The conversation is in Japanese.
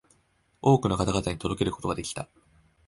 多くの方々に届けることができた